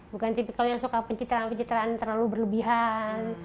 bukan tipikal yang suka pencitraan pencitraan terlalu berlebihan